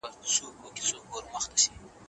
په ځان دې اور کړل د يارانو مجلسونه